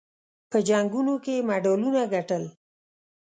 په جنګونو کې یې مډالونه ګټل.